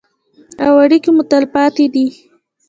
او اړیکې مو تلپاتې دي.